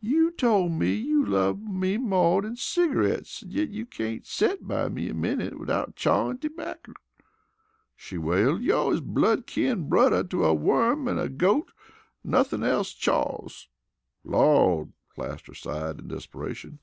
"You tole me you loved me more dan cigareets, an' yit you cain't set by me a minute 'thout chawin' terbacker," she wailed. "You is blood kin brudder to a worm an' a goat nothin' else chaws!" "Lawd!" Plaster sighed in desperation.